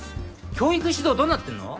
教育指導どうなってんの？